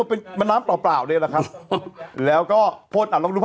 อ้าเป็นน้ำเนี่ยแหละนะครับ